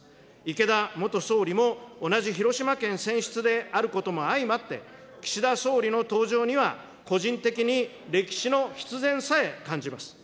池田元総理も同じ広島県選出であることも相まって、岸田総理の登場には、個人的に歴史の必然さえ感じます。